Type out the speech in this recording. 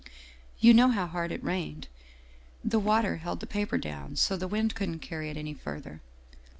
You know how hard it rained. The water held the paper down, so the wind couldn't carry it any further.